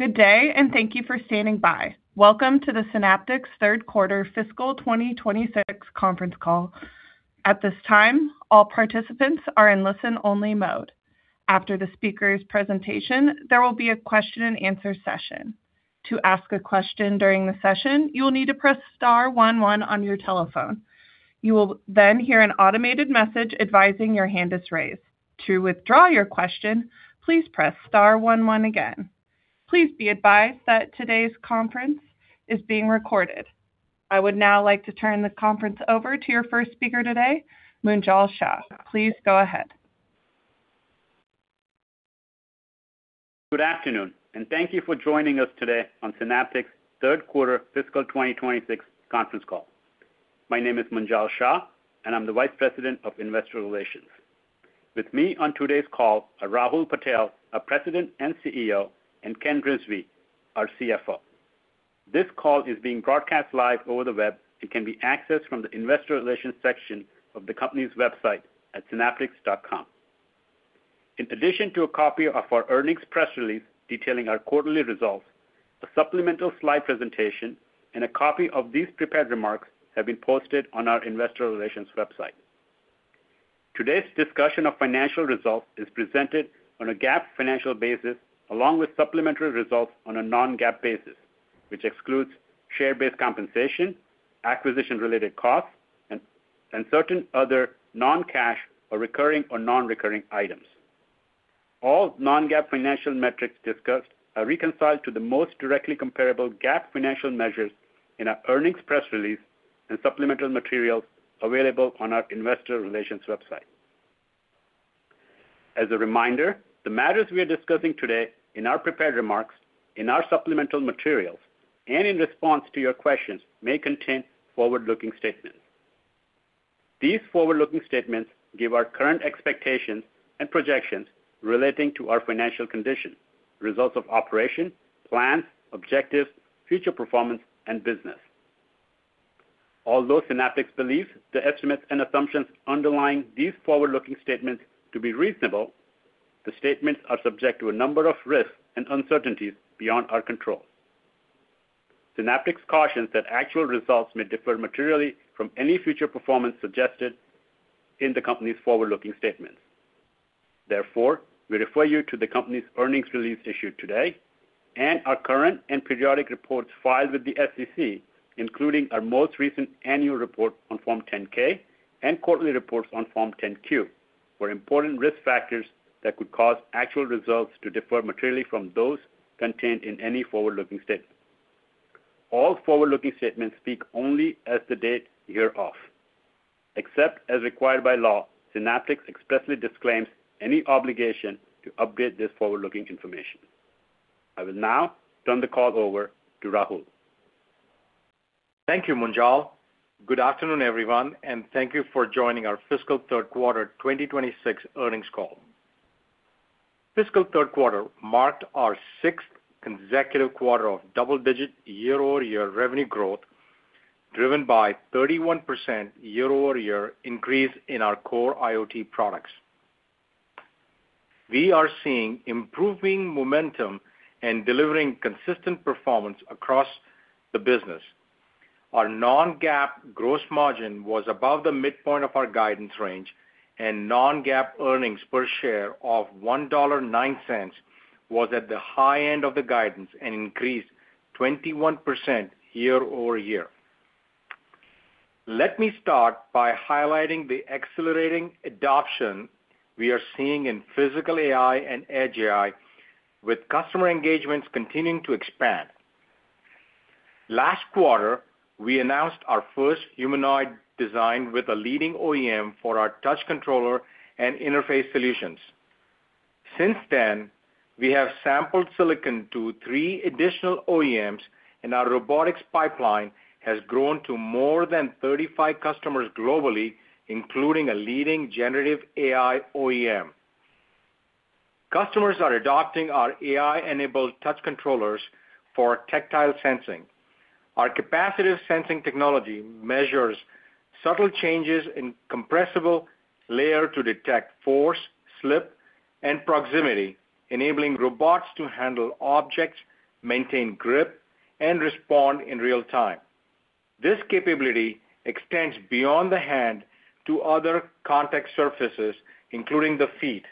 Welcome to the Synaptics Third Quarter Fiscal 2026 Conference Call. At this time all participants are in listen only mode. After the speakers presentation there will be a question and answer session. To ask a question during the session you need to press star one one on your telephone you will then heard an automated message advising your hand is raised. To withdraw your question please press star one one again. Please be advised that today's conference is being recorded. I would now like to turn the conference over to your first speaker today, Munjal Shah. Please go ahead. Good afternoon. Thank you for joining us today on Synaptics' Third Quarter Fiscal 2026 Conference Call. My name is Munjal Shah. I'm the Vice President of Investor Relations. With me on today's call are Rahul Patel, our President and CEO, and Ken Rizvi, our CFO. This call is being broadcast live over the web and can be accessed from the investor relations section of the company's website at synaptics.com. In addition to a copy of our earnings press release detailing our quarterly results, a supplemental slide presentation and a copy of these prepared remarks have been posted on our investor relations website. Today's discussion of financial results is presented on a GAAP financial basis, along with supplementary results on a non-GAAP basis, which excludes share-based compensation, acquisition-related costs, and certain other non-cash or recurring or non-recurring items. All non-GAAP financial metrics discussed are reconciled to the most directly comparable GAAP financial measures in our earnings press release and supplemental materials available on our investor relations website. As a reminder, the matters we are discussing today in our prepared remarks, in our supplemental materials, and in response to your questions may contain forward-looking statements. These forward-looking statements give our current expectations and projections relating to our financial condition, results of operations, plans, objectives, future performance, and business. Although Synaptics believes the estimates and assumptions underlying these forward-looking statements to be reasonable, the statements are subject to a number of risks and uncertainties beyond our control. Synaptics cautions that actual results may differ materially from any future performance suggested in the company's forward-looking statements. Therefore, we refer you to the company's earnings release issued today and our current and periodic reports filed with the SEC, including our most recent annual report on Form 10-K and quarterly reports on Form 10-Q, for important risk factors that could cause actual results to differ materially from those contained in any forward-looking statement. All forward-looking statements speak only as the date hereof. Except as required by law, Synaptics expressly disclaims any obligation to update this forward-looking information. I will now turn the call over to Rahul. Thank you, Munjal. Good afternoon, everyone, and thank you for joining our Fiscal Third Quarter 2026 Earnings Call. Fiscal third quarter marked our sixth consecutive quarter of double-digit year-over-year revenue growth, driven by 31% year-over-year increase in our core IoT products. We are seeing improving momentum and delivering consistent performance across the business. Our non-GAAP gross margin was above the midpoint of our guidance range, and non-GAAP earnings per share of $1.09 was at the high end of the guidance and increased 21% year-over-year. Let me start by highlighting the accelerating adoption we are seeing in physical AI and Edge AI, with customer engagements continuing to expand. Last quarter, we announced our first humanoid design with a leading OEM for our touch controller and interface solutions. Since then, we have sampled silicon to three additional OEMs, and our robotics pipeline has grown to more than 35 customers globally, including a leading generative AI OEM. Customers are adopting our AI-enabled touch controllers for tactile sensing. Our capacitive sensing technology measures subtle changes in compressible layer to detect force, slip, and proximity, enabling robots to handle objects, maintain grip, and respond in real time. This capability extends beyond the hand to other contact surfaces, including the feet.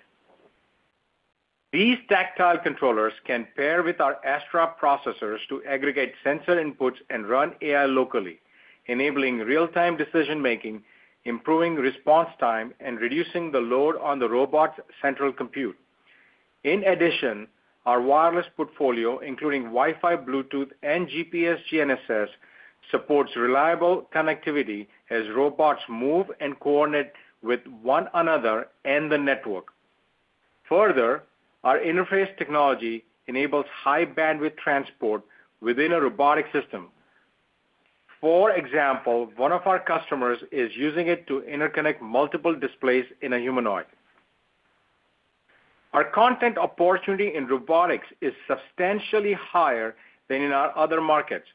These tactile controllers can pair with our Astra processors to aggregate sensor inputs and run AI locally, enabling real-time decision-making, improving response time, and reducing the load on the robot's central compute. In addition, our wireless portfolio, including Wi-Fi, Bluetooth, and GPS GNSS, supports reliable connectivity as robots move and coordinate with one another and the network. Our interface technology enables high bandwidth transport within a robotic system. For example, one of our customers is using it to interconnect multiple displays in a humanoid. Our content opportunity in robotics is substantially higher than in our other markets.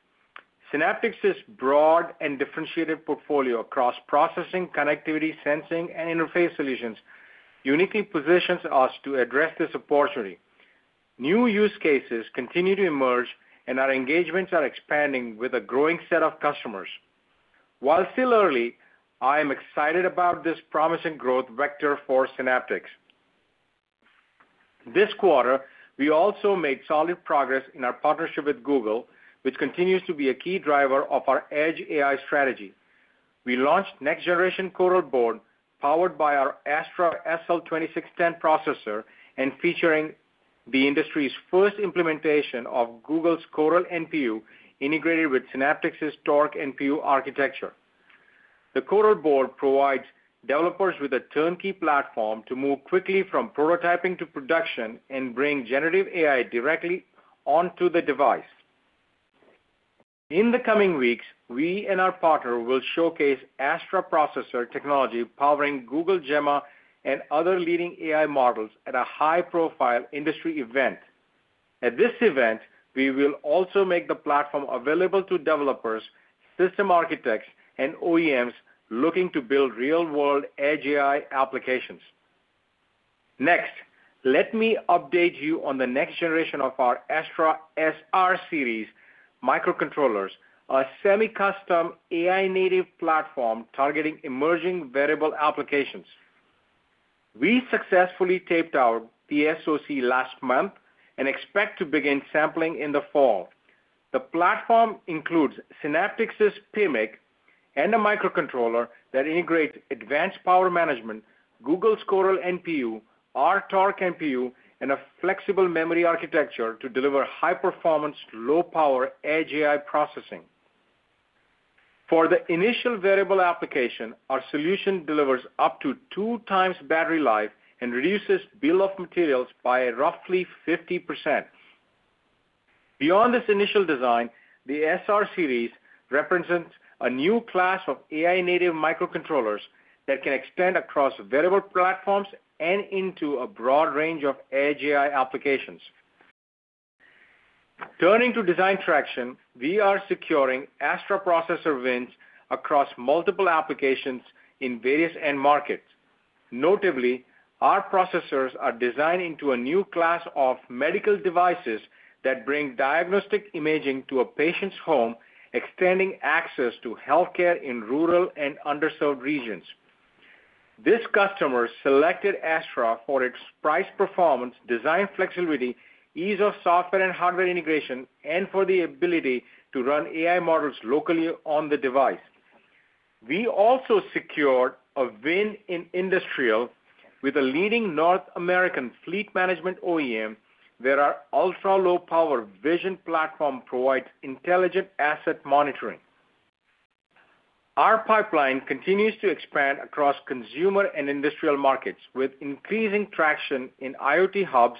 Synaptics' broad and differentiated portfolio across processing, connectivity, sensing, and interface solutions uniquely positions us to address this opportunity. New use cases continue to emerge, and our engagements are expanding with a growing set of customers. While still early, I am excited about this promising growth vector for Synaptics. This quarter, we also made solid progress in our partnership with Google, which continues to be a key driver of our Edge AI strategy. We launched next generation Coral Dev Board, powered by our Astra SL2610 processor and featuring the industry's first implementation of Google's Coral NPU integrated with Synaptics' Torq NPU architecture. The Coral board provides developers with a turnkey platform to move quickly from prototyping to production and bring generative AI directly onto the device. In the coming weeks, we and our partner will showcase Astra processor technology powering Google Gemma and other leading AI models at a high-profile industry event. At this event, we will also make the platform available to developers, system architects, and OEMs looking to build real-world Edge AI applications. Next, let me update you on the next generation of our Astra SR series microcontrollers, our semi-custom AI native platform targeting emerging wearable applications. We successfully taped out the SoC last month and expect to begin sampling in the fall. The platform includes Synaptics's PMIC and a microcontroller that integrate advanced power management, Google's Coral NPU, our Torq NPU, and a flexible memory architecture to deliver high performance, low power Edge AI processing. For the initial wearable application, our solution delivers up to two times battery life and reduces bill of materials by roughly 50%. Beyond this initial design, the SR series represents a new class of AI-native microcontrollers that can extend across wearable platforms and into a broad range of edge AI applications. Turning to design traction, we are securing Astra processor wins across multiple applications in various end markets. Notably, our processors are designed into a new class of medical devices that bring diagnostic imaging to a patient's home, extending access to healthcare in rural and underserved regions. This customer selected Astra for its price performance, design flexibility, ease of software and hardware integration, and for the ability to run AI models locally on the device. We also secured a win in industrial with a leading North American fleet management OEM, where our ultra-low power vision platform provides intelligent asset monitoring. Our pipeline continues to expand across consumer and industrial markets with increasing traction in IoT hubs,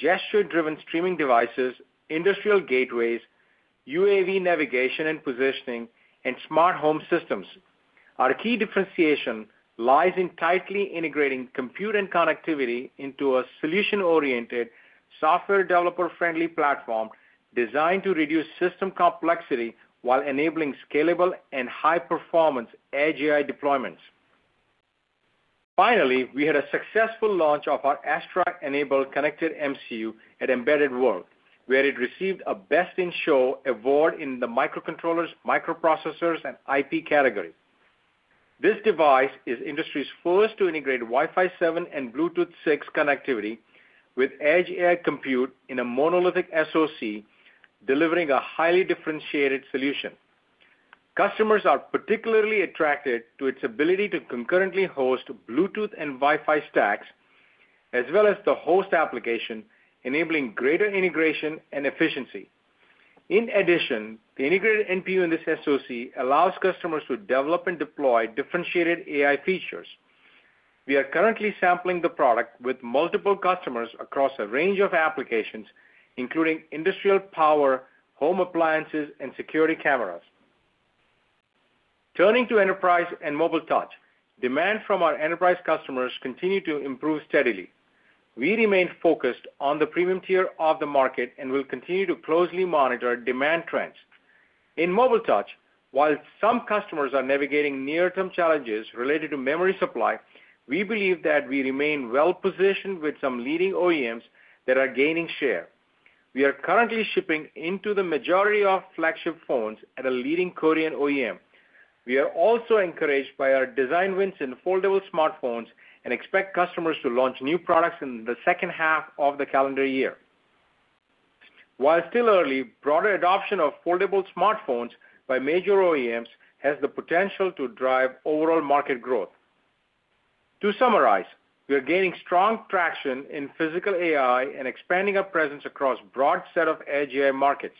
gesture-driven streaming devices, industrial gateways, UAV navigation and positioning, and smart home systems. Our key differentiation lies in tightly integrating compute and connectivity into a solution-oriented software developer-friendly platform designed to reduce system complexity while enabling scalable and high-performance Edge AI deployments. Finally, we had a successful launch of our Astra-enabled connected MCU at Embedded World, where it received a Best in Show award in the microcontrollers, microprocessors, and IP category. This device is industry's first to integrate Wi-Fi 7 and Bluetooth 6 connectivity with edge AI compute in a monolithic SoC, delivering a highly differentiated solution. Customers are particularly attracted to its ability to concurrently host Bluetooth and Wi-Fi stacks, as well as the host application, enabling greater integration and efficiency. In addition, the integrated NPU in this SoC allows customers to develop and deploy differentiated AI features. We are currently sampling the product with multiple customers across a range of applications, including industrial power, home appliances, and security cameras. Turning to enterprise and mobile touch, demand from our enterprise customers continue to improve steadily. We remain focused on the premium tier of the market and will continue to closely monitor demand trends. In mobile touch, while some customers are navigating near-term challenges related to memory supply, we believe that we remain well-positioned with some leading OEMs that are gaining share. We are currently shipping into the majority of flagship phones at a leading Korean OEM. We are also encouraged by our design wins in foldable smartphones and expect customers to launch new products in the second half of the calendar year. While still early, broader adoption of foldable smartphones by major OEMs has the potential to drive overall market growth. To summarize, we are gaining strong traction in physical AI and expanding our presence across broad set of Edge AI markets.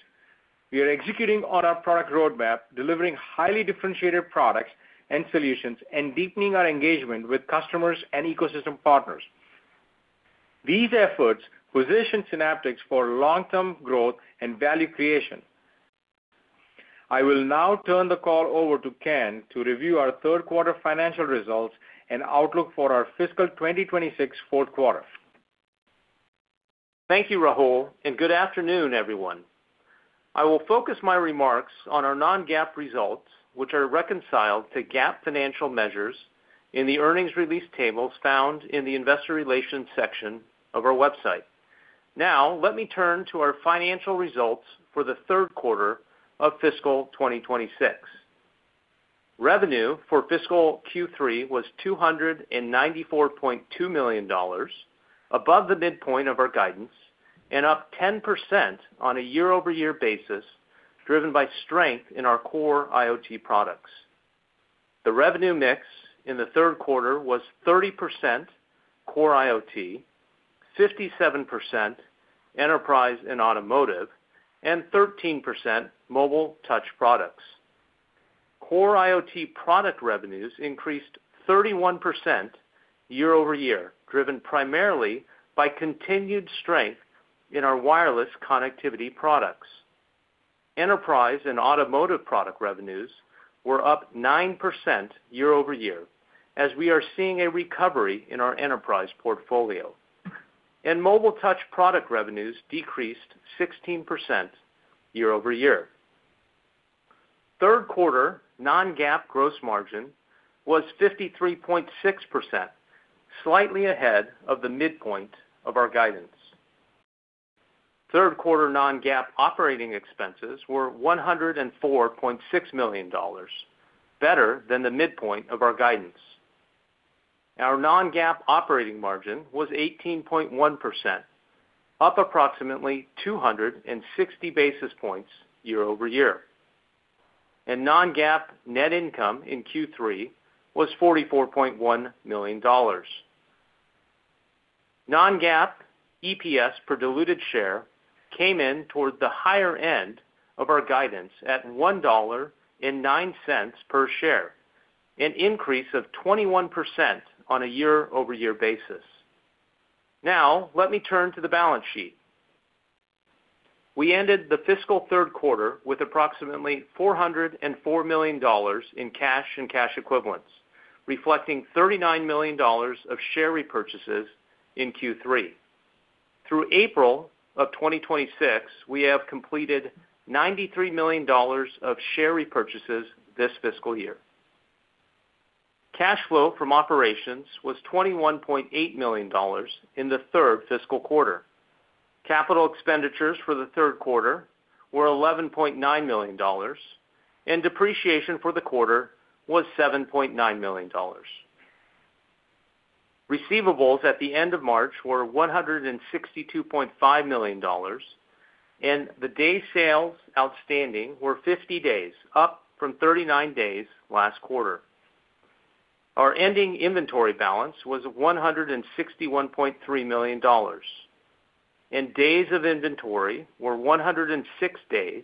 We are executing on our product roadmap, delivering highly differentiated products and solutions, and deepening our engagement with customers and ecosystem partners. These efforts position Synaptics for long-term growth and value creation. I will now turn the call over to Ken to review our third quarter financial results and outlook for our fiscal 2026 fourth quarter. Thank you, Rahul, and good afternoon, everyone. I will focus my remarks on our non-GAAP results, which are reconciled to GAAP financial measures in the earnings release tables found in the investor relations section of our website. Now, let me turn to our financial results for the third quarter of fiscal 2026. Revenue for fiscal Q3 was $294.2 million, above the midpoint of our guidance and up 10% on a year-over-year basis, driven by strength in our core IoT products. The revenue mix in the third quarter was 30% core IoT, 57% enterprise and automotive, and 13% mobile touch products. Core IoT product revenues increased 31% year-over-year, driven primarily by continued strength in our wireless connectivity products. Enterprise and automotive product revenues were up 9% year-over-year, as we are seeing a recovery in our enterprise portfolio. Mobile touch product revenues decreased 16% year-over-year. Third quarter non-GAAP gross margin was 53.6%, slightly ahead of the midpoint of our guidance. Third quarter non-GAAP operating expenses were $104.6 million, better than the midpoint of our guidance. Our non-GAAP operating margin was 18.1%, up approximately 260 basis points year-over-year. Non-GAAP net income in Q3 was $44.1 million. Non-GAAP EPS per diluted share came in toward the higher end of our guidance at $1.09 per share, an increase of 21% on a year-over-year basis. Now, let me turn to the balance sheet. We ended the fiscal third quarter with approximately $404 million in cash and cash equivalents, reflecting $39 million of share repurchases in Q3. Through April of 2026, we have completed $93 million of share repurchases this fiscal year. Cash flow from operations was $21.8 million in the third fiscal quarter. Capital expenditures for the third quarter were $11.9 million, and depreciation for the quarter was $7.9 million. Receivables at the end of March were $162.5 million, and the day sales outstanding were 50 days, up from 39 days last quarter. Our ending inventory balance was $161.3 million, and days of inventory were 106 days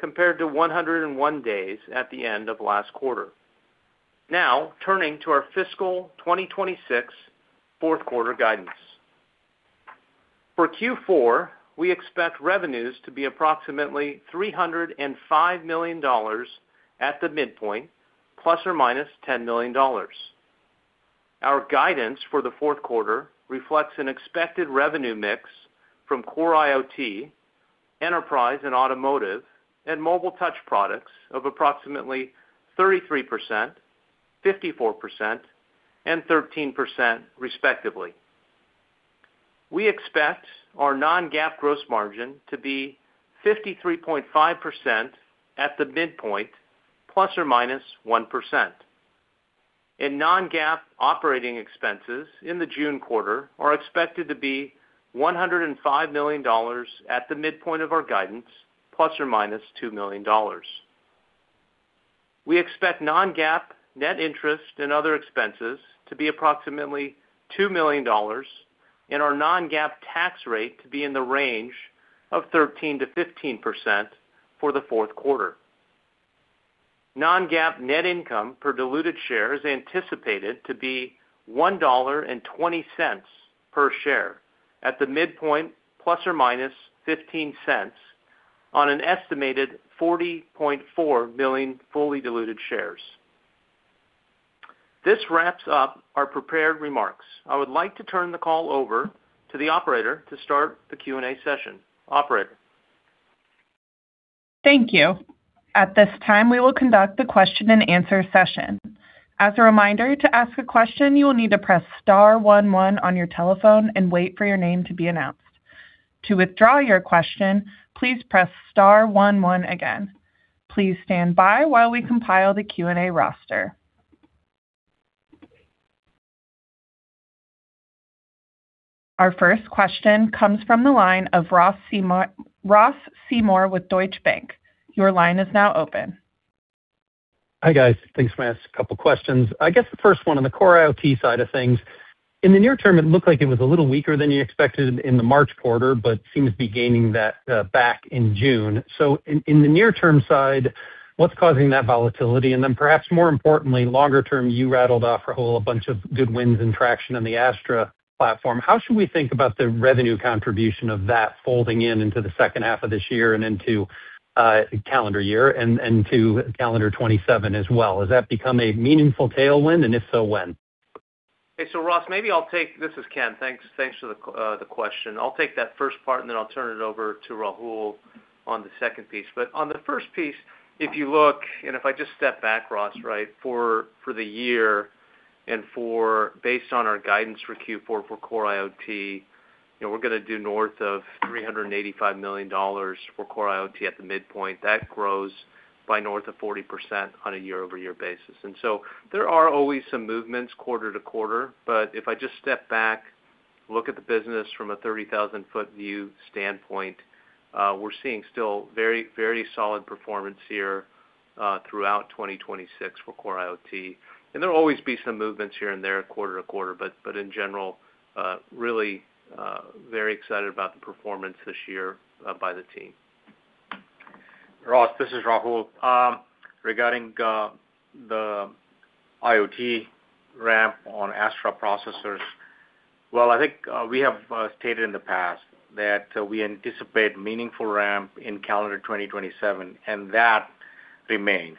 compared to 101 days at the end of last quarter. Turning to our fiscal 2026 fourth quarter guidance. For Q4, we expect revenues to be approximately $305 million at the midpoint, ±$10 million. Our guidance for the fourth quarter reflects an expected revenue mix from core IoT, enterprise and automotive, and mobile touch products of approximately 33%, 54%, and 13% respectively. Non-GAAP gross margin to be 53.5% at the midpoint, ±1%. Non-GAAP operating expenses in the June quarter are expected to be $105 million at the midpoint of our guidance, ±$2 million. We expect non-GAAP net interest and other expenses to be approximately $2 million and our non-GAAP tax rate to be in the range of 13%-15% for the fourth quarter. Non-GAAP net income per diluted share is anticipated to be $1.20 per share at the midpoint, ±$0.15 on an estimated 40.4 million fully diluted shares. This wraps up our prepared remarks. I would like to turn the call over to the operator to start the Q&A session. Operator. Thank you. At this time, we will conduct the question-and-answer session. As a reminder, to ask a question, you will need to press star one one on your telephone and wait for your name to be announced. To withdraw your question, please press star one one again. Please stand by while we compile the Q&A roster. Our first question comes from the line of Ross Seymore with Deutsche Bank. Your line is now open. Hi, guys. Thanks. I'm gonna ask a couple questions. I guess the first one on the core IoT side of things. In the near term, it looked like it was a little weaker than you expected in the March quarter, but seems to be gaining that back in June. In the near term side, what's causing that volatility? Perhaps more importantly, longer term, you rattled off a whole bunch of good wins and traction on the Astra platform. How should we think about the revenue contribution of that folding in into the second half of this year and into calendar year and to calendar 2027 as well? Has that become a meaningful tailwind, and if so, when? Okay, Ross, maybe I'll take. This is Ken. Thanks for the question. I'll take that first part, and then I'll turn it over to Rahul on the second piece. On the first piece, if you look and if I just step back, Ross, right? For the year and for based on our guidance for Q4 for core IoT, you know, we're going to do north of $385 million for core IoT at the midpoint. That grows by north of 40% on a year-over-year basis. There are always some movements quarter-to-quarter. If I just step back, look at the business from a 30,000-foot view standpoint, we're seeing still very solid performance here throughout 2026 for core IoT. There will always be some movements here and there quarter-to-quarter. In general, really very excited about the performance this year by the team. Ross, this is Rahul. Regarding the IoT ramp on Astra processors. I think we have stated in the past that we anticipate meaningful ramp in calendar 2027, and that remains.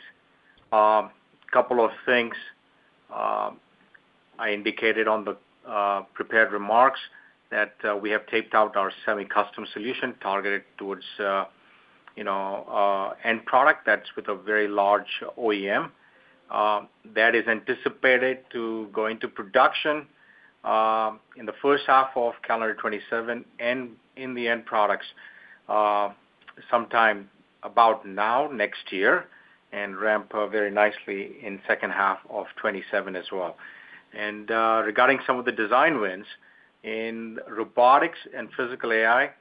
Couple of things. I indicated on the prepared remarks that we have taped out our semi-custom solution targeted towards, you know, end product that's with a very large OEM. That is anticipated to go into production in the first half of calendar 2027 and in the end products sometime about now next year and ramp up very nicely in second half of 2027 as well. Regarding some of the design wins in robotics and physical AI,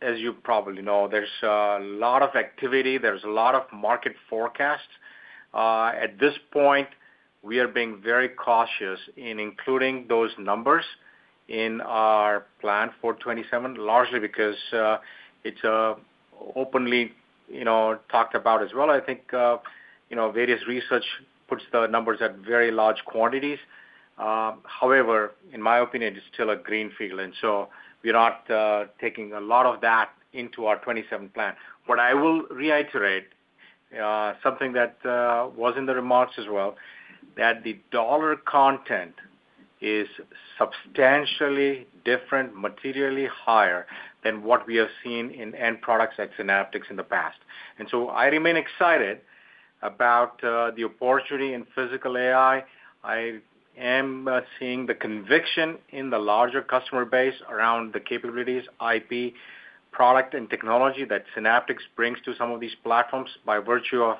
as you probably know, there's a lot of activity, there's a lot of market forecasts. At this point, we are being very cautious in including those numbers in our plan for 27, largely because it's openly, you know, talked about as well. I think, you know, various research puts the numbers at very large quantities. However, in my opinion, it's still a greenfield, and so we are not taking a lot of that into our 27 plan. What I will reiterate, something that was in the remarks as well, that the dollar content is substantially different, materially higher than what we have seen in end products at Synaptics in the past. I remain excited about the opportunity in physical AI. I am seeing the conviction in the larger customer base around the capabilities, IP, product, and technology that Synaptics brings to some of these platforms by virtue of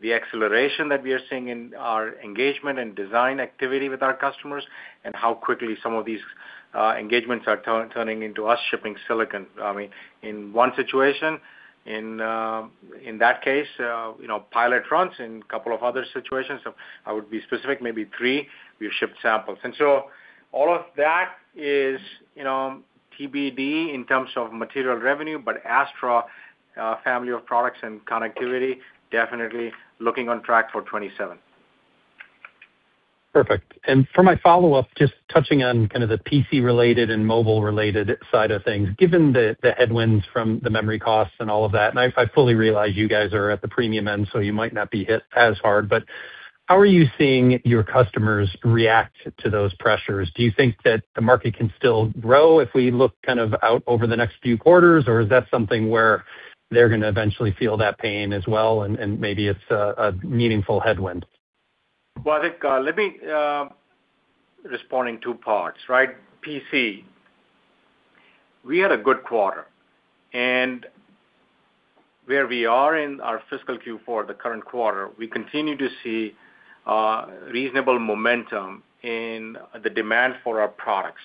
the acceleration that we are seeing in our engagement and design activity with our customers and how quickly some of these engagements are turning into us shipping silicon. I mean, in one situation, in that case, you know, pilot runs in a couple of other situations. I would be specific, maybe three, we have shipped samples. All of that is, you know, TBD in terms of material revenue. Astra, family of products and connectivity, definitely looking on track for 2027. Perfect. For my follow-up, just touching on kind of the PC-related and mobile-related side of things. Given the headwinds from the memory costs and all of that, I fully realize you guys are at the premium end, so you might not be hit as hard. How are you seeing your customers react to those pressures? Do you think that the market can still grow if we look kind of out over the next few quarters? Is that something where they're gonna eventually feel that pain as well and maybe it's a meaningful headwind? I think, let me respond in two parts, right? PC, we had a good quarter. Where we are in our fiscal Q4, the current quarter, we continue to see reasonable momentum in the demand for our products.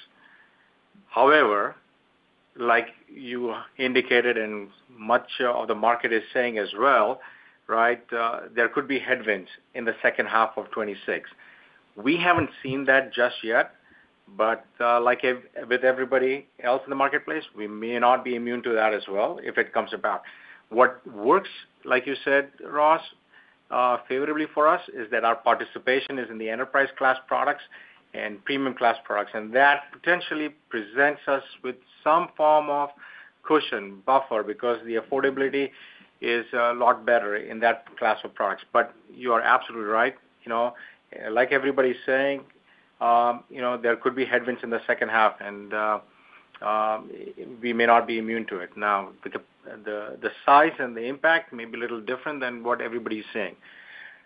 However, like you indicated and much of the market is saying as well, right, there could be headwinds in the second half of 2026. We haven't seen that just yet, but, like with everybody else in the marketplace, we may not be immune to that as well if it comes about. What works, like you said, Ross, favorably for us is that our participation is in the enterprise class products and premium class products, and that potentially presents us with some form of cushion buffer because the affordability is a lot better in that class of products. You are absolutely right. You know, like everybody's saying, you know, there could be headwinds in the second half and we may not be immune to it. The size and the impact may be a little different than what everybody is saying.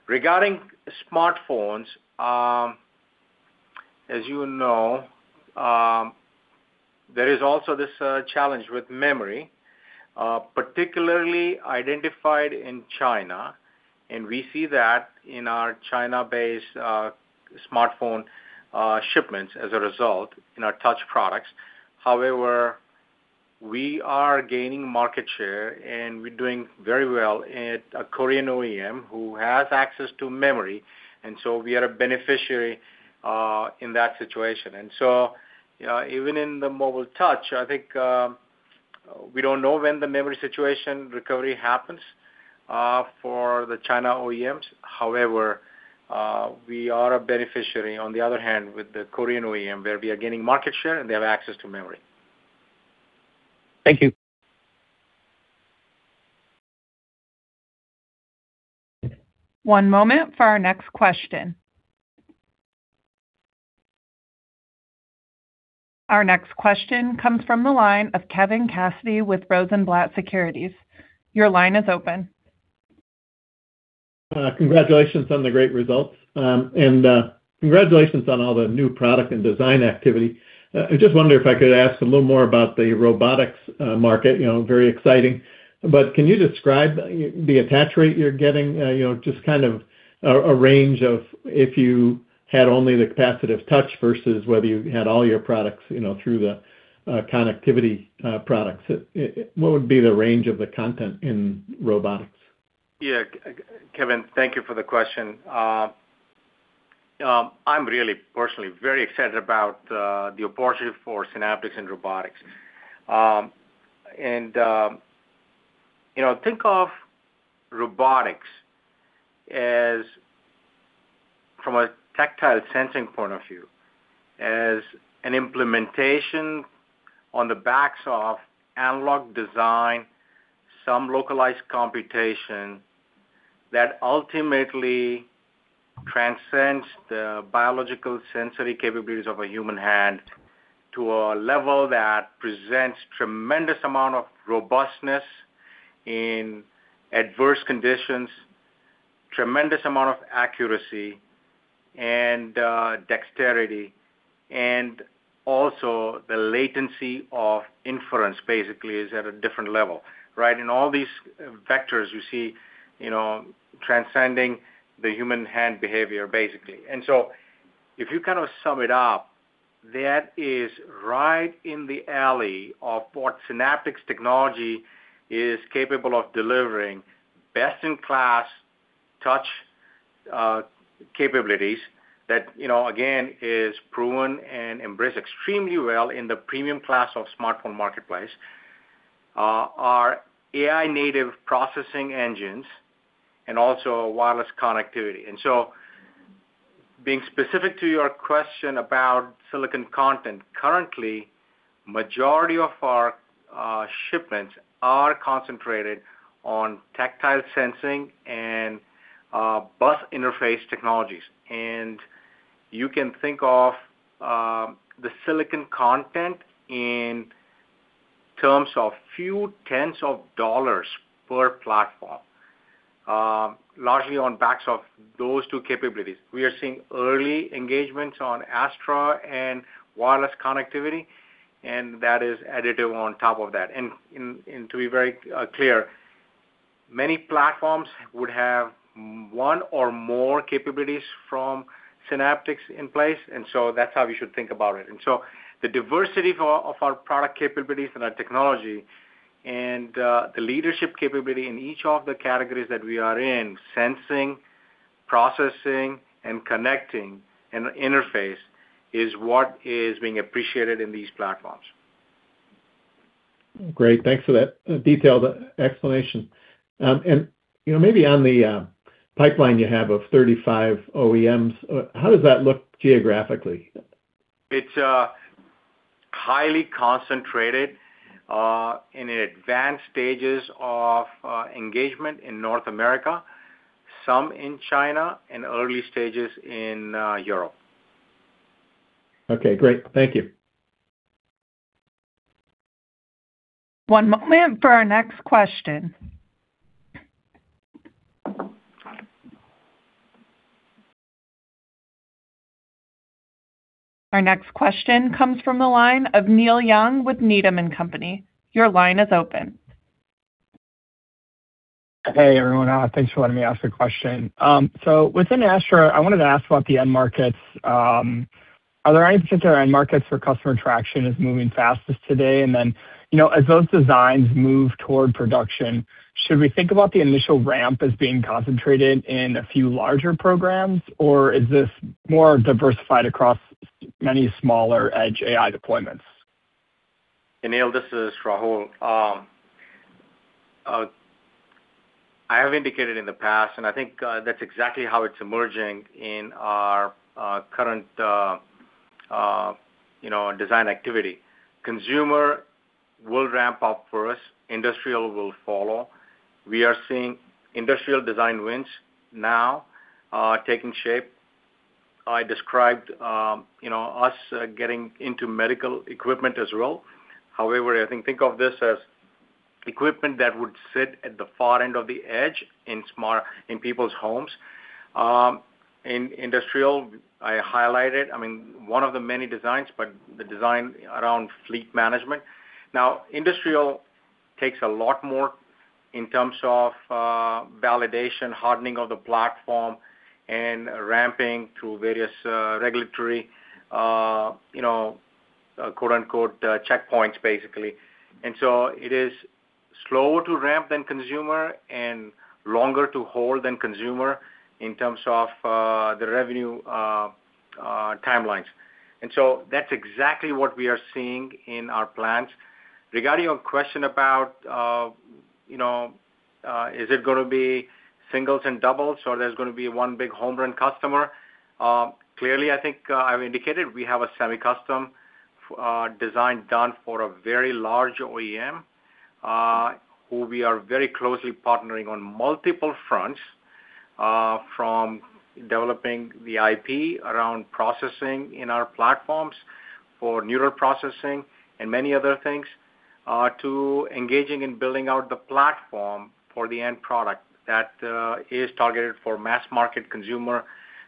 Regarding smartphones, as you know, there is also this challenge with memory, particularly identified in China, we see that in our China-based smartphone shipments as a result in our touch products. We are gaining market share, we're doing very well at a Korean OEM who has access to memory, we are a beneficiary in that situation. Even in the mobile touch, I think, we don't know when the memory situation recovery happens for the China OEMs. We are a beneficiary, on the other hand, with the Korean OEM, where we are gaining market share, and they have access to memory. Thank you. One moment for our next question. Our next question comes from the line of Kevin Cassidy with Rosenblatt Securities. Your line is open. Congratulations on the great results. Congratulations on all the new product and design activity. I just wonder if I could ask a little more about the robotics market, you know, very exciting. Can you describe the attach rate you're getting, you know, just kind of a range of if you had only the capacitive touch versus whether you had all your products, you know, through the connectivity products. What would be the range of the content in robotics? Yeah, Kevin, thank you for the question. I'm really personally very excited about the opportunity for Synaptics in robotics. You know, think of robotics as from a tactile sensing point of view, as an implementation on the backs of analog design, some localized computation that ultimately transcends the biological sensory capabilities of a human hand to a level that presents tremendous amount of robustness in adverse conditions, tremendous amount of accuracy and dexterity, and also the latency of inference basically is at a different level. All these vectors you see, you know, transcending the human hand behavior, basically. If you kind of sum it up, that is right in the alley of what Synaptics technology is capable of delivering best-in-class touch capabilities that, you know, again, is proven and embraced extremely well in the premium class of smartphone marketplace, our AI-native processing engines and also wireless connectivity. Being specific to your question about silicon content, currently, majority of our shipments are concentrated on tactile sensing and bus interface technologies. You can think of the silicon content in terms of few tens of dollars per platform, largely on backs of those two capabilities. We are seeing early engagements on Astra and wireless connectivity, and that is additive on top of that. To be very clear, many platforms would have one or more capabilities from Synaptics in place, and so that's how we should think about it. The diversity of our product capabilities and our technology and the leadership capability in each of the categories that we are in, sensing, processing, and connecting and interface is what is being appreciated in these platforms. Great. Thanks for that detailed explanation. You know, maybe on the pipeline you have of 35 OEMs, how does that look geographically? It's highly concentrated in advanced stages of engagement in North America, some in China, and early stages in Europe. Okay, great. Thank you. One moment for our next question. Our next question comes from the line of Neil Young with Needham & Company. Your line is open. Hey, everyone. Thanks for letting me ask a question. Within Astra, I wanted to ask about the end markets. Are there any particular end markets where customer traction is moving fastest today? As those designs move toward production, you know, should we think about the initial ramp as being concentrated in a few larger programs, or is this more diversified across many smaller Edge AI deployments? Neil, this is Rahul. I have indicated in the past, and I think that's exactly how it's emerging in our current, you know, design activity. Consumer will ramp up first. Industrial will follow. We are seeing industrial design wins now taking shape. I described, you know, us getting into medical equipment as well. However, I think of this as equipment that would sit at the far end of the edge in people's homes. In industrial, I highlighted, I mean, one of the many designs, but the design around fleet management. Now, industrial takes a lot more in terms of validation, hardening of the platform and ramping through various regulatory, you know, quote-unquote, checkpoints, basically. It is slower to ramp than consumer and longer to hold than consumer in terms of the revenue timelines. That's exactly what we are seeing in our plans. Regarding your question about, is it gonna be singles and doubles or there's gonna be one big home run customer, clearly, I think, I've indicated we have a semi-custom design done for a very large OEM, who we are very closely partnering on multiple fronts, from developing the IP around processing in our platforms for neural processing and many other things, to engaging in building out the platform for the end product that is targeted for mass market consumer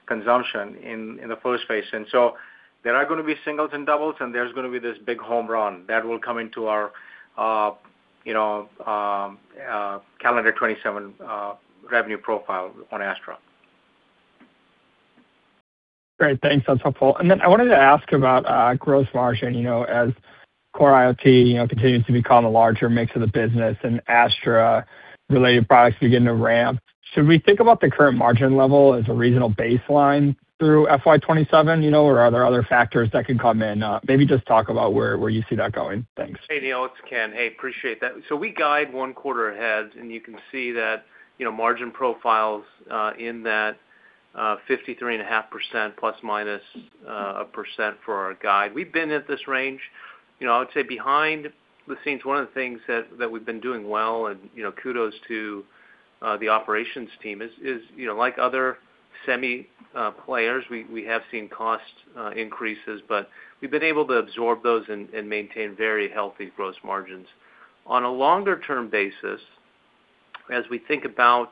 consumption in the first phase. There are going to be singles and doubles, and there's going to be this big home run that will come into our, you know, calendar 2027, revenue profile on Astra. Great. Thanks. That's helpful. I wanted to ask about gross margin, you know, as core IoT, you know, continues to become a larger mix of the business and Astra related products begin to ramp. Should we think about the current margin level as a regional baseline through FY 2027, you know, or are there other factors that can come in? Maybe just talk about where you see that going. Thanks. Hey, Neil, it's Ken. Hey, appreciate that. We guide one quarter ahead, and you can see that, you know, margin profiles in that 53.5% ±1% for our guide. We've been at this range. You know, I would say behind the scenes, one of the things that we've been doing well, and, you know, kudos to the operations team is, you know, like other semi players, we have seen cost increases, but we've been able to absorb those and maintain very healthy gross margins. On a longer term basis, as we think about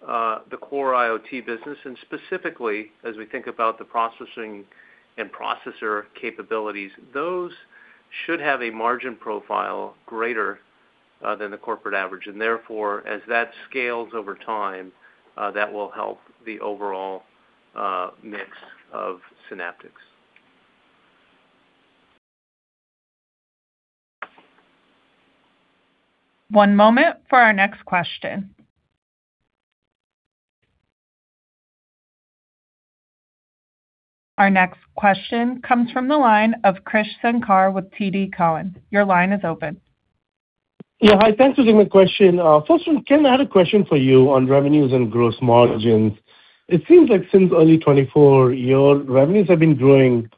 the core IoT business and specifically as we think about the processing and processor capabilities, those should have a margin profile greater than the corporate average. Therefore, as that scales over time, that will help the overall mix of Synaptics. One moment for our next question. Our next question comes from the line of Krish Sankar with TD Cowen. Your line is open. Hi. Thanks for taking the question. First one, Ken Rizvi, I had a question for you on revenues and gross margins. It seems like since early 2024, your revenues have been growing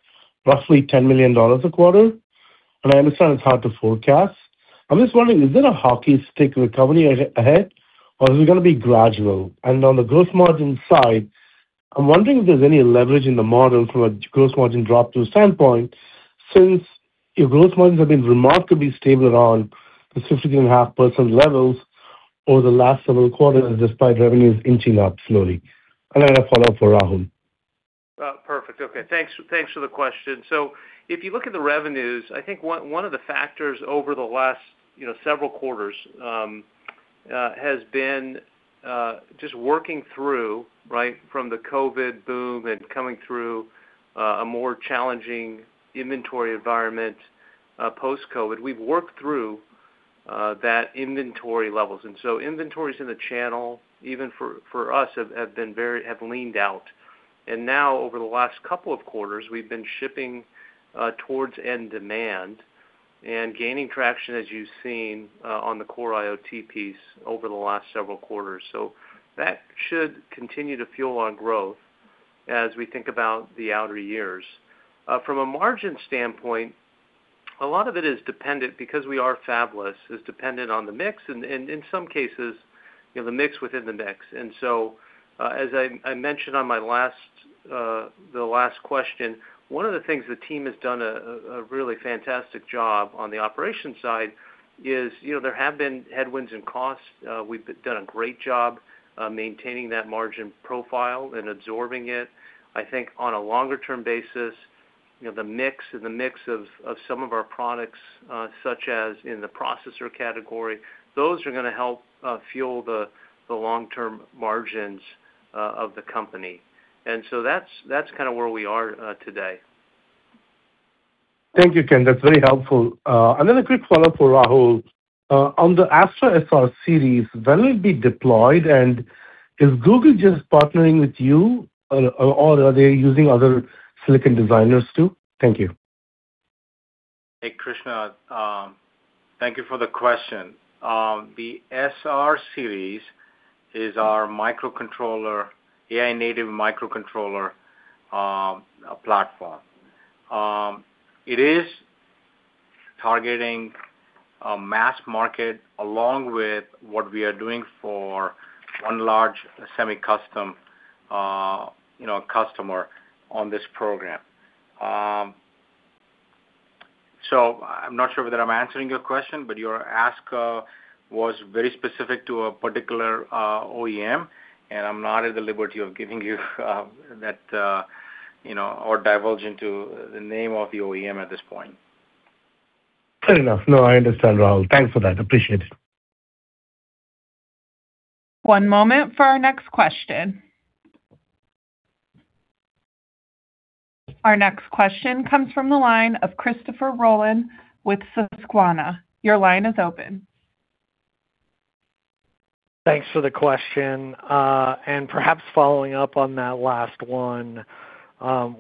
roughly $10 million a quarter, and I understand it's hard to forecast. I'm just wondering, is it a hockey stick recovery ahead, or is it gonna be gradual? On the gross margin side, I'm wondering if there's any leverage in the model from a gross margin drop-to standpoint since your gross margins have been remarkably stable around the 50.5% levels over the last several quarters despite revenues inching up slowly. A follow for Rahul Patel. Perfect. Okay. Thanks for the question. If you look at the revenues, I think one of the factors over the last, you know, several quarters has been just working through, right, from the COVID boom and coming through a more challenging inventory environment post-COVID. We've worked through that inventory levels. Inventories in the channel, even for us, have leaned out. Now over the last couple of quarters, we've been shipping towards end demand and gaining traction, as you've seen, on the core IoT piece over the last several quarters. That should continue to fuel on growth as we think about the outer years. From a margin standpoint, a lot of it is dependent because we are fabless. It's dependent on the mix and in some cases, you know, the mix within the mix. As I mentioned on my last, the last question, one of the things the team has done a really fantastic job on the operations side is, you know, there have been headwinds and costs. We've done a great job, maintaining that margin profile and absorbing it. I think on a longer term basis, you know, the mix and the mix of some of our products, such as in the processor category, those are gonna help fuel the long-term margins of the company. That's kind where we are today. Thank you, Ken. That's very helpful. Another quick follow-up for Rahul. On the Astra SR series, when will it be deployed, and is Google just partnering with you or are they using other silicon designers too? Thank you. Hey, Krish. Thank you for the question. The SR series is our AI-native microcontroller platform. It is targeting a mass market along with what we are doing for one large semi-custom customer on this program. I'm not sure whether I'm answering your question, but your ask was very specific to a particular OEM, and I'm not at the liberty of giving you that or divulging to the name of the OEM at this point. Fair enough. No, I understand, Rahul. Thanks for that. Appreciate it. One moment for our next question. Our next question comes from the line of Christopher Rolland with Susquehanna. Your line is open. Thanks for the question. Perhaps following up on that last one,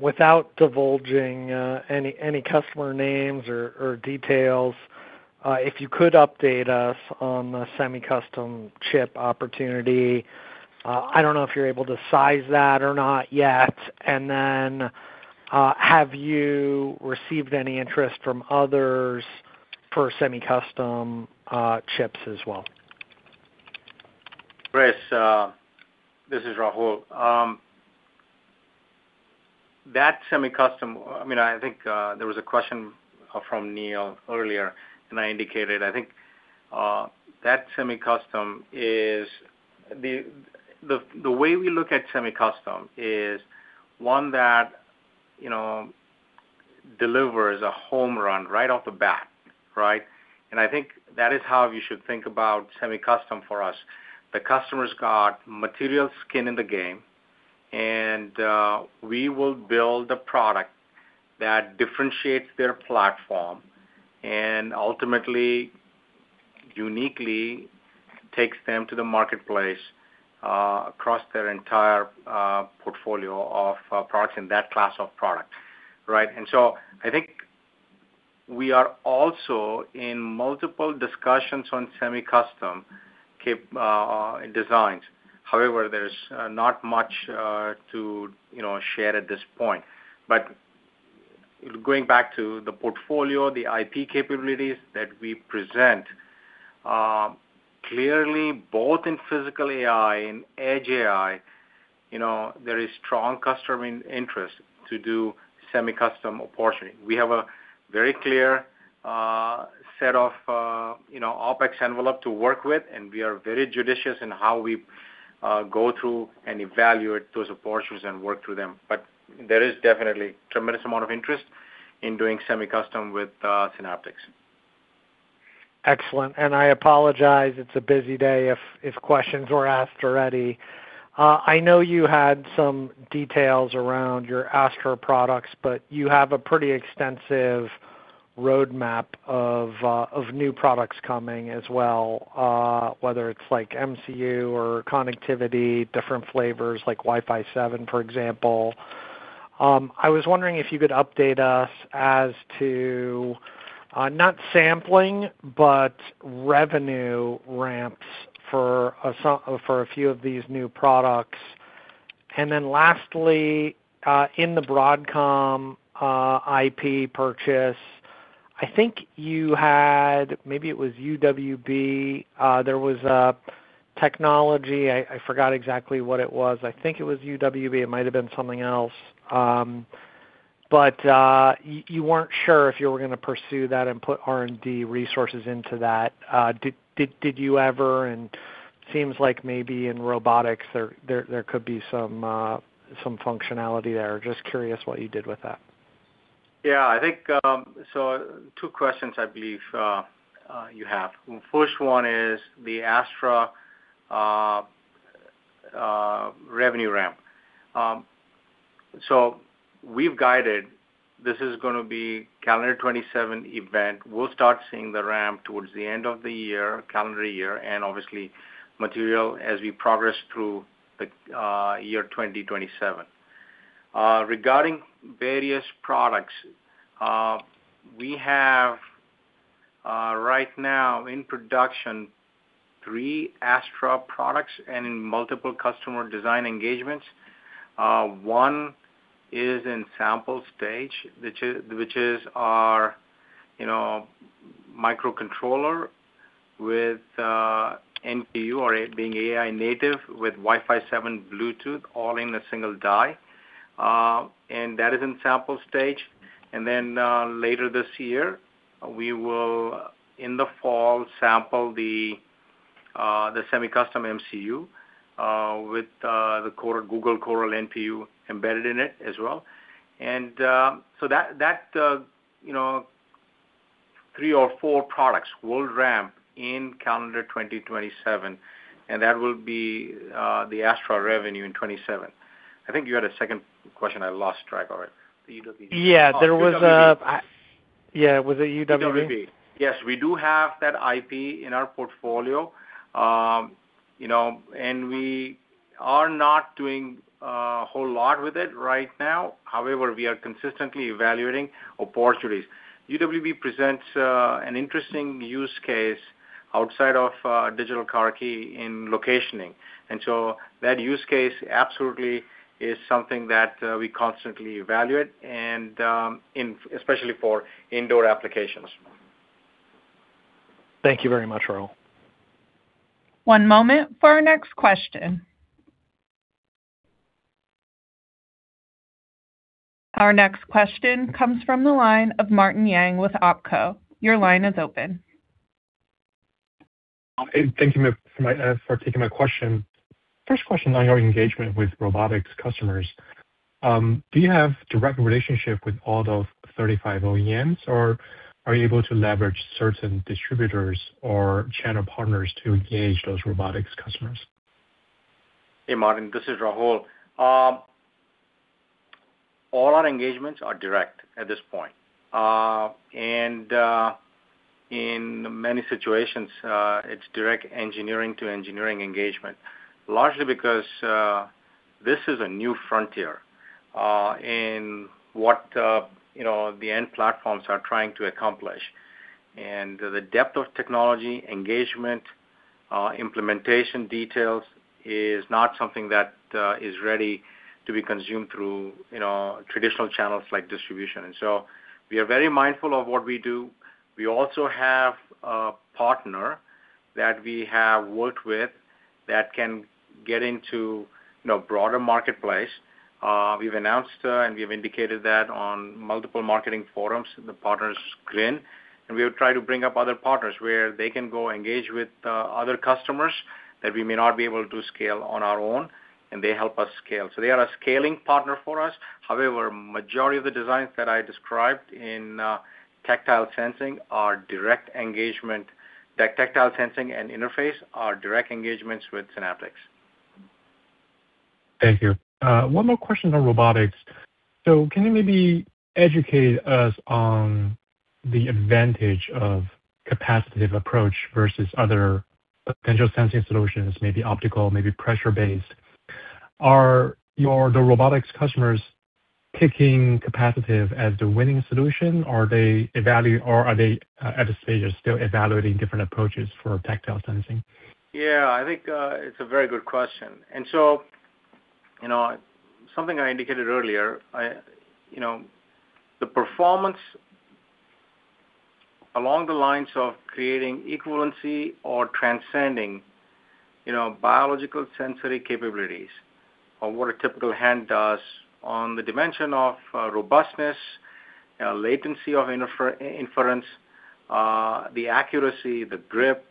without divulging any customer names or details. If you could update us on the semi-custom chip opportunity. I don't know if you're able to size that or not yet. Then, have you received any interest from others for semi-custom chips as well? Chris, this is Rahul. That semi-custom, I mean, I think, there was a question from Neil earlier. I indicated, I think, that semi-custom is the way we look at semi-custom is one that, you know, delivers a home run right off the bat, right? I think that is how you should think about semi-custom for us. The customer's got material skin in the game. We will build a product that differentiates their platform and ultimately, uniquely takes them to the marketplace across their entire portfolio of products in that class of product. Right? I think we are also in multiple discussions on semi-custom designs. However, there's not much to, you know, share at this point. Going back to the portfolio, the IP capabilities that we present, clearly both in physical AI and edge AI, you know, there is strong customer interest to do semi-custom portioning. We have a very clear set of, you know, OpEx envelope to work with, and we are very judicious in how we go through and evaluate those approaches and work through them. There is definitely tremendous amount of interest in doing semi-custom with Synaptics. Excellent. I apologize it's a busy day if questions were asked already. I know you had some details around your Astra products, but you have a pretty extensive roadmap of new products coming as well, whether it's like MCU or connectivity, different flavors like Wi-Fi 7, for example. I was wondering if you could update us as to not sampling, but revenue ramps for a few of these new products. Lastly, in the Broadcom IP purchase, I think you had, maybe it was UWB, there was a technology, I forgot exactly what it was. I think it was UWB. It might have been something else. You weren't sure if you were going to pursue that and put R&D resources into that. Did you ever, seems like maybe in robotics there could be some functionality there. Just curious what you did with that. Yeah, I think, two questions I believe you have. First one is the Astra revenue ramp. We've guided this is gonna be calendar 2027 event. We'll start seeing the ramp towards the end of the year, calendar year, and obviously material as we progress through the year 2027. Regarding various products, we have right now in production three Astra products and in multiple customer design engagements. One is in sample stage, which is our, you know, microcontroller with NPU or it being AI native with Wi-Fi 7 Bluetooth all in a single die. That is in sample stage. Later this year, we will in the fall sample the semi-custom MCU with the Google Coral NPU embedded in it as well. You know, three or four products will ramp in calendar 2027, and that will be the Astra revenue in 2027. I think you had a second question. I lost track of it. Yeah, there was a- UWB. Yeah. Was it UWB? UWB. Yes, we do have that IP in our portfolio, you know, and we are not doing a whole lot with it right now. However, we are consistently evaluating opportunities. UWB presents an interesting use case outside of digital car key in locationing. That use case absolutely is something that we constantly evaluate and especially for indoor applications. Thank you very much, Rahul. One moment for our next question. Our next question comes from the line of Martin Yang with Oppenheimer. Your line is open. Thank you, ma'am, for taking my question. First question on your engagement with robotics customers. Do you have direct relationship with all those 35 OEMs, or are you able to leverage certain distributors or channel partners to engage those robotics customers? Hey, Martin, this is Rahul. All our engagements are direct at this point. In many situations, it's direct engineering to engineering engagement, largely because this is a new frontier, in what, you know, the end platforms are trying to accomplish. The depth of technology engagement, implementation details is not something that is ready to be consumed through, you know, traditional channels like distribution. We are very mindful of what we do. We also have a partner that we have worked with that can get into, you know, broader marketplace. We've announced, and we have indicated that on multiple marketing forums, the partners Grinn, and we'll try to bring up other partners where they can go engage with other customers that we may not be able to scale on our own, and they help us scale. They are a scaling partner for us. However, majority of the designs that I described in tactile sensing are direct engagement. The tactile sensing and interface are direct engagements with Synaptics. Thank you. One more question on robotics. Can you maybe educate us on the advantage of capacitive approach versus other potential sensing solutions, maybe optical, maybe pressure-based? Are the robotics customers picking capacitive as the winning solution, or are they at a stage of still evaluating different approaches for tactile sensing? Yeah, I think it's a very good question. You know, something I indicated earlier, I, you know, the performance along the lines of creating equivalency or transcending, you know, biological sensory capabilities of what a typical hand does on the dimension of robustness, latency of inference, the accuracy, the grip,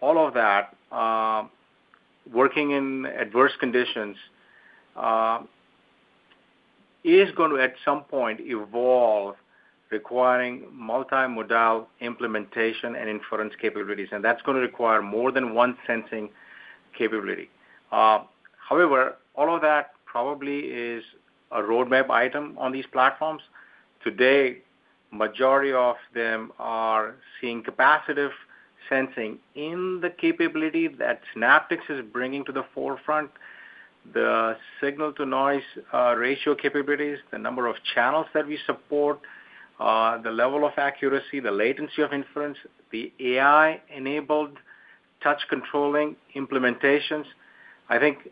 all of that, working in adverse conditions, is going to at some point evolve requiring multimodal implementation and inference capabilities, and that's gonna require more than one sensing capability. However, all of that probably is a roadmap item on these platforms. Today, majority of them are seeing capacitive sensing in the capability that Synaptics is bringing to the forefront, the signal-to-noise ratio capabilities, the number of channels that we support, the level of accuracy, the latency of inference, the AI-enabled touch controlling implementations. I think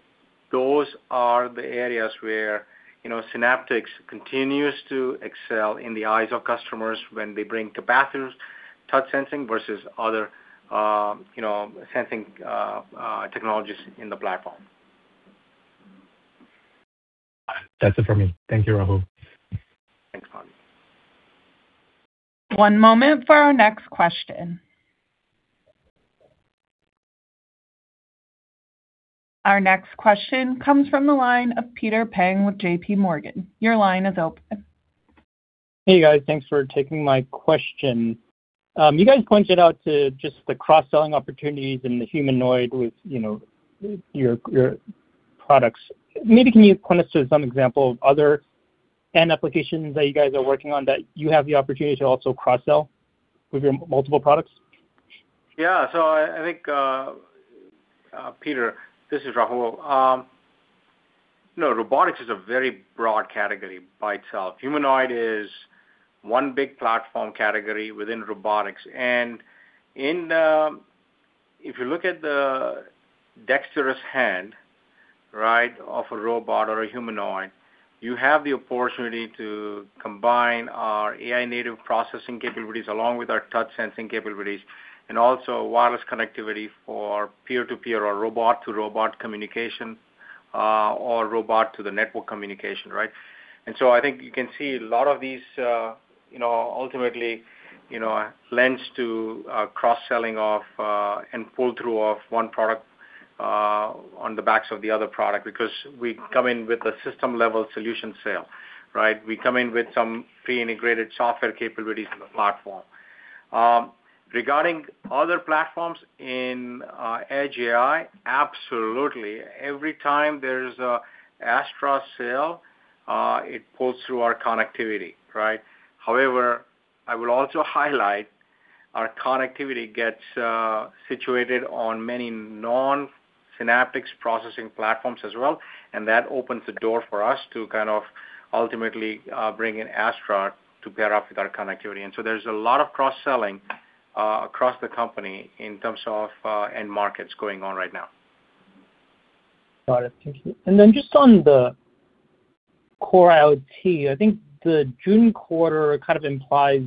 those are the areas where, you know, Synaptics continues to excel in the eyes of customers when they bring to platforms, touch sensing versus other, you know, sensing technologies in the platform. That's it for me. Thank you, Rahul. Thanks. One moment for our next question. Our next question comes from the line of Peter Peng with JPMorgan. Your line is open. Hey, guys. Thanks for taking my question. You guys pointed out to just the cross-selling opportunities in the humanoid with, you know, your products. Maybe can you point us to some example of other end applications that you guys are working on that you have the opportunity to also cross-sell with your multiple products? Yeah. I think, Peter, this is Rahul. You know, robotics is a very broad category by itself. Humanoid is one big platform category within robotics. If you look at the dexterous hand, right, of a robot or a humanoid, you have the opportunity to combine our AI-native processing capabilities along with our touch sensing capabilities and also wireless connectivity for peer-to-peer or robot-to-robot communication or robot to the network communication. I think you can see a lot of these, you know, ultimately, you know, lends to cross-selling of and pull through of one product on the backs of the other product because we come in with a system-level solution sale. We come in with some pre-integrated software capabilities in the platform. Regarding other platforms in Edge AI, absolutely. Every time there's a Astra sale, it pulls through our connectivity, right? However, I will also highlight our connectivity gets situated on many non-Synaptics processing platforms as well, and that opens the door for us to kind of ultimately bring in Astra to pair up with our connectivity. There's a lot of cross-selling across the company in terms of end markets going on right now. Got it. Thank you. Just on the core IoT, I think the June quarter kind of implies,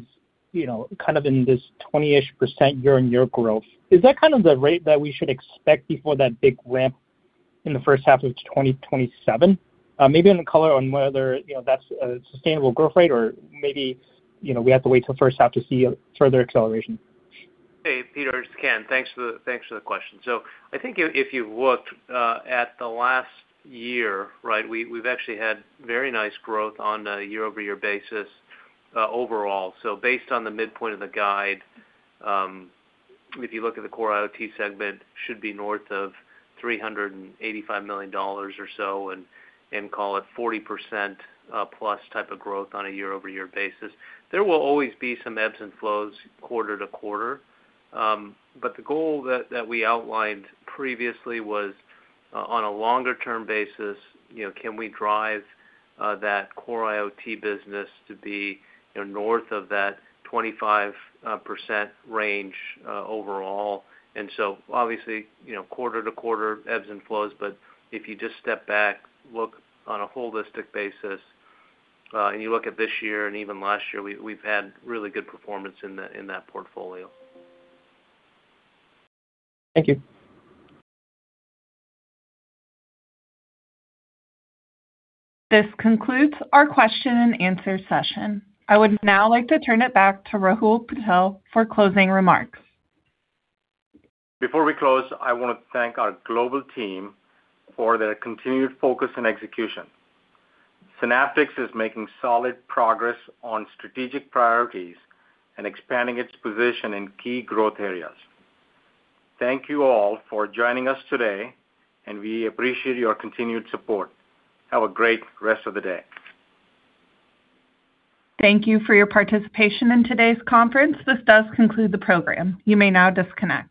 you know, kind of in this 20-ish% year-over-year growth. Is that kind of the rate that we should expect before that big ramp in the first half of 2027? Maybe then color on whether, you know, that's a sustainable growth rate or maybe, you know, we have to wait till first half to see further acceleration. Hey, Peter. It's Ken. Thanks for the question. I think if you looked at the last year, right, we've actually had very nice growth on a year-over-year basis overall. Based on the midpoint of the guide, if you look at the core IoT segment, should be north of $385 million or so and call it 40%+ type of growth on a year-over-year basis. There will always be some ebbs and flows quarter-to-quarter. The goal that we outlined previously was on a longer term basis, you know, can we drive that core IoT business to be, you know, north of that 25% range overall. Obviously, you know, quarter to quarter ebbs and flows, but if you just step back, look on a holistic basis, and you look at this year and even last year, we've had really good performance in that portfolio. Thank you. This concludes our question and answer session. I would now like to turn it back to Rahul Patel for closing remarks. Before we close, I wanna thank our global team for their continued focus and execution. Synaptics is making solid progress on strategic priorities and expanding its position in key growth areas. Thank you all for joining us today, and we appreciate your continued support. Have a great rest of the day. Thank you for your participation in today's conference. This does conclude the program. You may now disconnect.